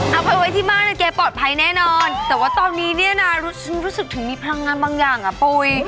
เอาไว้ที่บ้านนะแกปลอดภัยแน่นอนแต่ว่าตอนนี้เนี่ยนะฉันรู้สึกถึงมีพลังงานบางอย่างอ่ะปุ๋ย